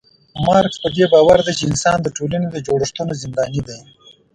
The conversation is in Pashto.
مارکس پدې باور دی چي انسان د ټولني د جوړښتونو زنداني دی